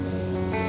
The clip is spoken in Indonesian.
itu itu itu